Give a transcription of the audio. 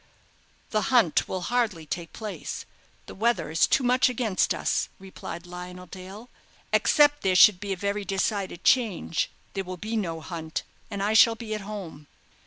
"The hunt will hardly take place; the weather is too much against us," replied Lionel Dale. "Except there should be a very decided change, there will be no hunt, and I shall be at home."